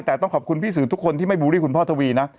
แต่ต้องขอบคุณพี่สื่อทุกคนที่ไม่บูลลี่คุณพ่อทวีนะ